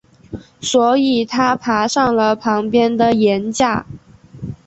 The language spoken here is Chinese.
所以他爬上了旁边的岩架。